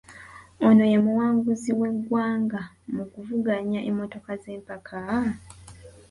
Ono ye muwanguzi w’eggwanga mu kuvuga emmotoka z’empaka ?